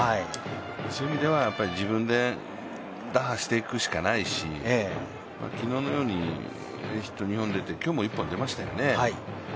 そういう意味では自分で打破していくしかないし、昨日のようにヒット２本出て今日も１本出ましたよね。